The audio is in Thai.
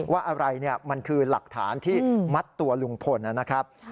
ว่าอะไรมันคือหลักฐานที่มัดตัวลุงพลนะครับ